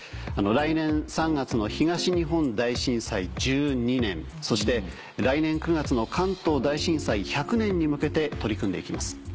来年３月の東日本大震災１２年そして来年９月の関東大震災１００年に向けて取り組んで行きます。